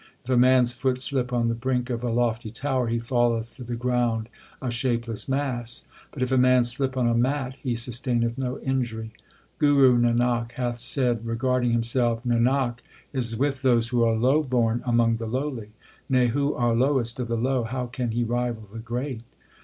If a man s foot slip on the brink of a lofty tower, he falleth to the ground a shapeless mass ; but if a man slip on a mat he sustaineth no injury. Guru Nanak hath said regard ing himself : Nanak is with those who are low born among the lowly ; Nay, who are lowest of the low : how can he rival the great